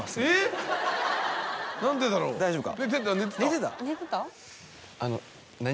大丈夫か？